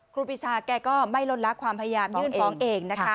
ครูปีชาแกก็ไม่ลดละความพยายามยื่นฟ้องเองนะคะ